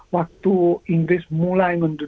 waktu inggris mulai mengembangkan